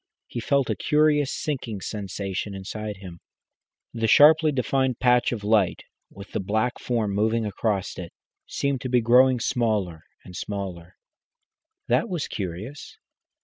He felt a curious sinking sensation inside him. The sharply defined patch of light, with the black form moving across it, seemed to be growing smaller and smaller. That was curious.